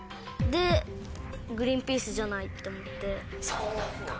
そうなんだ。